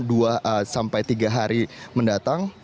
dua sampai tiga hari mendatang